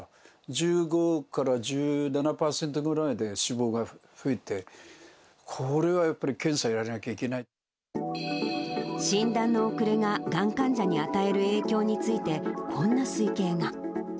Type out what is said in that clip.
１５から１７％ぐらいで死亡が増えて、これはやっぱり検査やらな診断の遅れががん患者に与える影響について、こんな推計が。